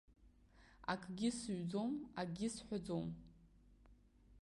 Акгьы зыҩӡом, акгьы сҳәаӡом.